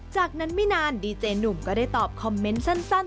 จากนั้นไม่นานดีเจหนุ่มก็ได้ตอบคอมเมนต์สั้น